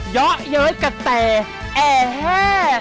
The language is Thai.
ย้อเยอะกระแต่แอแฮ